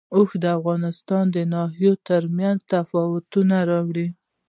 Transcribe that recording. اوښ د افغانستان د ناحیو ترمنځ تفاوتونه راولي.